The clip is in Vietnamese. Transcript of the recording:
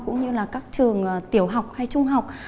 cũng như là các trường tiểu học hay trung học